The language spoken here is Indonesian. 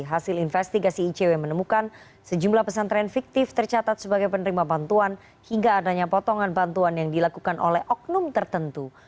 hasil investigasi icw menemukan sejumlah pesantren fiktif tercatat sebagai penerima bantuan hingga adanya potongan bantuan yang dilakukan oleh oknum tertentu